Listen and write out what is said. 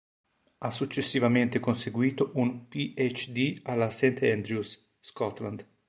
Ha successivamente conseguito un PhD alla St Andrews, Scotland.